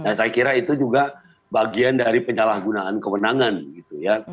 nah saya kira itu juga bagian dari penyalahgunaan kewenangan gitu ya